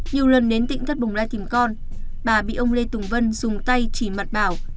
nhiều lần đến tỉnh thất bồng lai tìm con bà bị ông lê tùng vân dùng tay chỉ mặt bảo